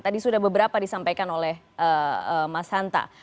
tadi sudah beberapa disampaikan oleh mas hanta